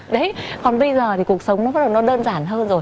đấy còn bây giờ thì cuộc sống nó bắt đầu nó đơn giản hơn rồi